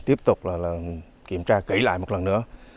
tiếp tục kiểm tra kỹ lại một lần nữa